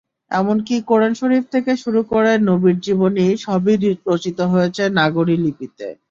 এমনকি কোরআন শরিফ থেকে শুরু করে নবীর জীবনী—সবই রচিত হয়েছে নাগরি লিপিতে।